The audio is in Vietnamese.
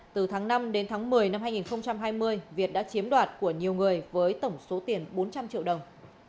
từ tháng năm đến tháng một mươi năm hai nghìn hai mươi việt đã chiếm đoạt của nhiều người với tổng số tiền bốn trăm linh triệu đồng